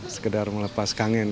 sekedar melepas kangen